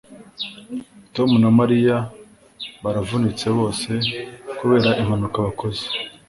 tom na mariya baravunitse bose kubera impanuka bakoze